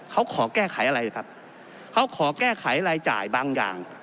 เขาขอแก้ไขอะไรครับเขาขอแก้ไขรายจ่ายบางอย่าง